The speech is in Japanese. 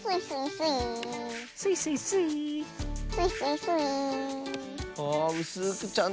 スイスイスイー。